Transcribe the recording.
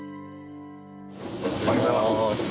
おはようございます。